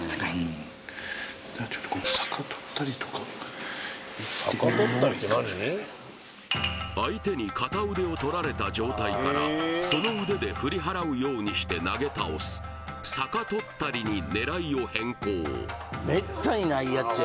だからちょっとこの相手に片腕を取られた状態からその腕で振り払うようにして投げ倒す逆取ったりに狙いを変更